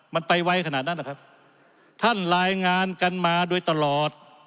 มันไปไวขนาดนั้นนะครับท่านรายงานกันมาโดยตลอด